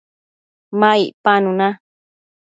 ma icpanu na